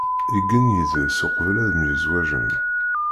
Igen yid-s uqbel ad myezwaǧen.